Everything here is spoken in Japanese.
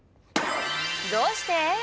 どうして？